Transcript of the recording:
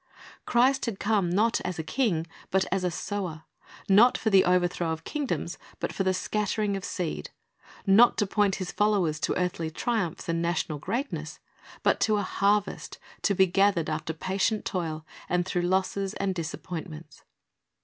"* Christ had come, not as a king, but as a sower; not for the overthrow of kingdoms, but for the scattering of seed; not to point His followers to earthly triumphs and national greatness, but to a harvest to be gathered after patient toil, and through losses and disappointments.